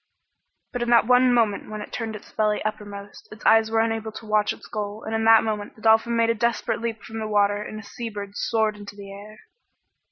But in that one moment when it turned belly uppermost, its eyes were unable to watch its goal, and in that moment the dolphin made a desperate leap from the water and a sea bird soared into the air.